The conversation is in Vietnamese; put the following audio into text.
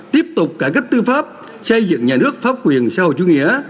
tiếp tục cải cách tư pháp xây dựng nhà nước pháp quyền sau chủ nghĩa